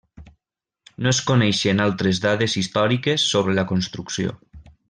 No es coneixen altres dades històriques sobre la construcció.